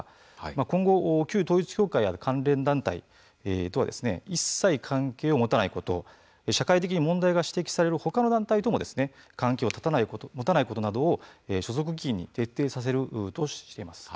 今後旧統一教会や関連団体とは一切関係を持たないこと社会的に問題が指摘されるほかの団体とも関係を持たないことなどを所属議員に徹底させるとしています。